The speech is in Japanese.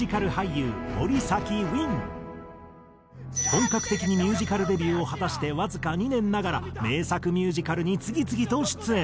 本格的にミュージカルデビューを果たしてわずか２年ながら名作ミュージカルに次々と出演。